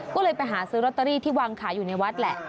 ก็เลยไปหาซื้อลอตเตอรี่ที่วางขายอยู่ในวัดแหละ